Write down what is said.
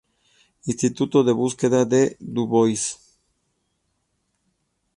Instituto de Búsqueda del Dubois.